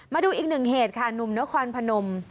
มาดูอีกหนึ่งเหตุค่ะหนุ่มนครพนม